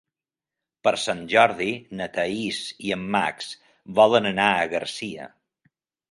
Per Sant Jordi na Thaís i en Max volen anar a Garcia.